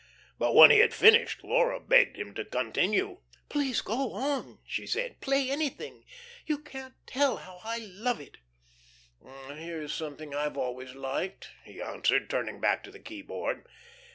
But when he had finished Laura begged him to continue. "Please go on," she said. "Play anything. You can't tell how I love it." "Here is something I've always liked," he answered, turning back to the keyboard.